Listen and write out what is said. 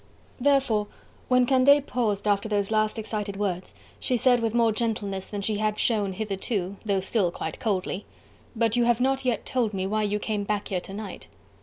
Therefore when Candeille paused after those last excited words, she said with more gentleness than she had shown hitherto, though still quite coldly: "But you have not yet told me why you came back here to night?